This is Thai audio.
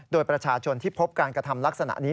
โดยประชาชนที่พบการกระทำลักษณะนี้